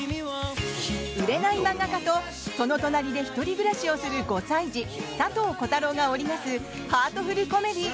売れない漫画家とその隣で１人暮らしをする５歳児さとうコタローが織り成すハートフルコメディー